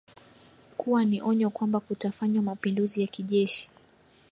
kuwa ni onyo kwamba kutafanywa mapinduzi ya kijeshi